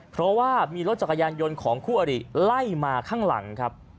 เพราะว่ามีรถจักรยานยนต์ของคู่อริไล่มาข้างหลังครับ